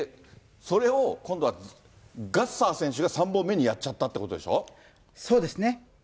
それを今度はガッサー選手が３本目にやっちゃったっていうこそうですね。